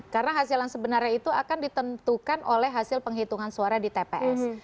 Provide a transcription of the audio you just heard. karena hasil yang sebenarnya itu akan ditentukan oleh hasil penghitungan suara di tps